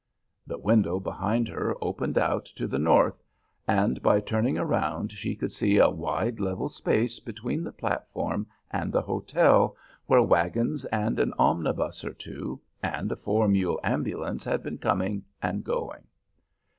The windows behind her opened out to the north, and by turning around she could see a wide, level space between the platform and the hotel, where wagons and an omnibus or two, and a four mule ambulance had been coming and going.